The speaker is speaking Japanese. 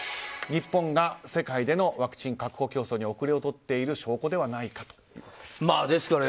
日本が世界でのワクチン確保競争に後れを取っている証拠ではないかということです。